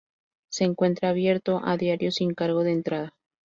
Se encuentra abierto a diario sin cargo de entrada.